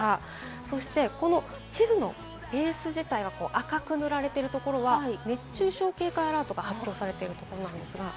そして、この地図のベース自体が赤く塗られているところは熱中症警戒アラートが発表されているところです。